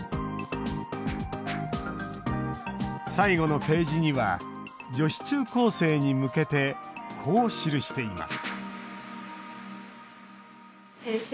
最後のページには女子中高生に向けてこう記しています